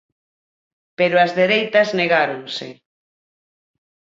Pero as dereitas negáronse.